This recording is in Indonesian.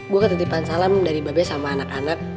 gue ketitipan salam dari babe sama anak anak